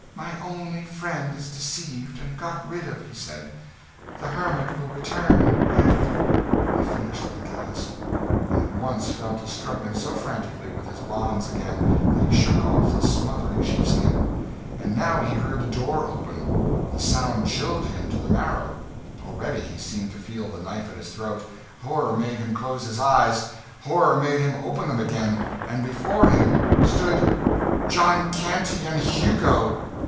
"My only friend is deceived and got rid of," he said; "the hermit will return and " He finished with a gasp; and at once fell to struggling so frantically with his bonds again, that he shook off the smothering sheepskin. And now he heard the door open! The sound chilled him to the marrow already he seemed to feel the knife at his throat. Horror made him close his eyes; horror made him open them again and before him stood John Canty and Hugo!